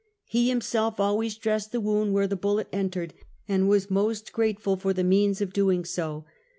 He himself always dressed the wound where the bullet entered, and was most grate ful for the means of doing so.